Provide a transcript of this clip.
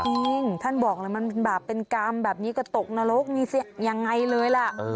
จริงท่านบอกเลยมันเป็นบาปเป็นกรรมแบบนี้ก็ตกนรกนี่ยังไงเลยล่ะ